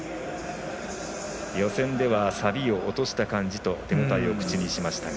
予選ではさびを落とした感じと手応えを口にしましたが。